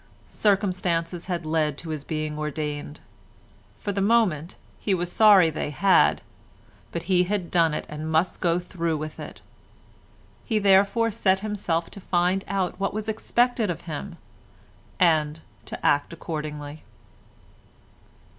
Circumstances had led to his being ordained; for the moment he was sorry they had, but he had done it and must go through with it. He therefore set himself to find out what was expected of him, and to act accordingly.